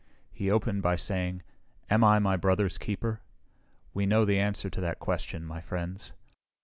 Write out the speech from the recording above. He opened by saying, "Am I my brother's keeper? We know the answer to that question, my friends.